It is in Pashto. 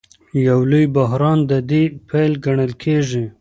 یو لوی بحران د دې پیل ګڼل کېږي.